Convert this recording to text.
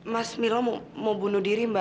mas miro mau bunuh diri mbak